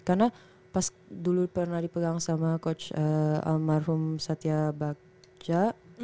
karena pas dulu pernah dipegang sama coach almarhum satya bagja